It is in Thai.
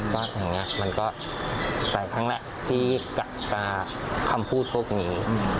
ก็แบบนั้นมันก็ใส่ครั้งละทีกับคำพูดพวกนี้